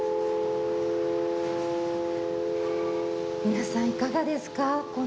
皆さん、いかがですか。